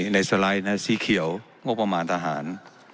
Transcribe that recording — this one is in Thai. ในสไลด์สีเขียวงบประมาณทหาร